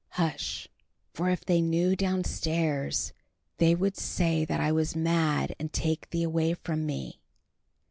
Hush! for if they knew downstairs they would say that I was mad, and take thee away from me.